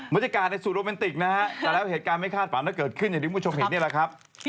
บรรยากาศในสูตรโรแมนติกนะฮะแต่แล้วเหตุการณ์ไม่คาดฝันก็เกิดขึ้นอย่างที่คุณผู้ชมเห็นนี่แหละครับ